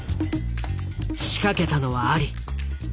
仕掛けたのはアリ。